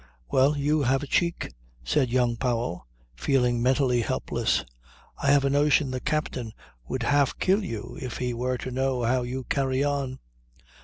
"Well, you have a cheek," said young Powell, feeling mentally helpless. "I have a notion the captain would half kill you if he were to know how you carry on."